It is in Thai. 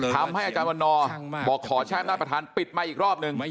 ทำให้อาจารย์วันนอร์บอกขอแช่งอาจารย์ประธานปิดไมค์อีกรอบหนึ่ง